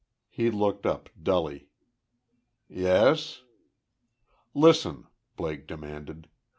He looked up, dully. "Yes?" "Listen!" Blake demanded.